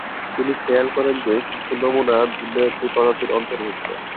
তিনি খেয়াল করেন যে কিছু নমুনা ভিন্ন একটি প্রজাতির অন্তর্ভুক্ত।